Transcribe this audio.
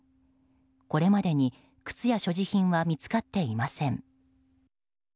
これまでに靴や所持品は見つかっていません。